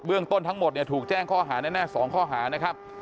เรื่องต้นทั้งหมดเนี่ยถูกแจ้งข้อหาแน่๒ข้อหานะครับ